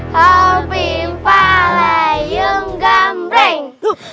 hopi palayu gambeng